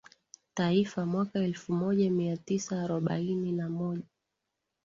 taifa Mwaka elfumoja miatisa arobaini na moja